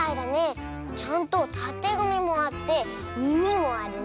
ちゃんとたてがみもあってみみもあるね。